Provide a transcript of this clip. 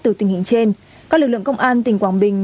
từ tình hình trên các lực lượng công an tỉnh quảng bình